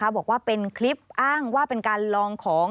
บอกว่าเป็นคลิปอ้างว่าเป็นการลองของ